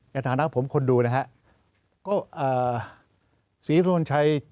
ในฐานะของผมคนดูนะครับก็สีสนุนชัย